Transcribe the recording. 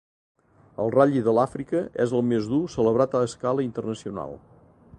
El ral·li de l'Àfrica és el més dur celebrat a escala internacional.